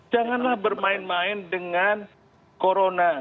janganlah bermain main dengan corona